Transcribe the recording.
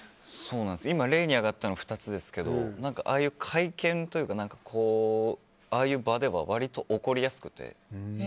今、例に挙がったの２つですけどああいう会見というかああいう場では割と起こりやすくて。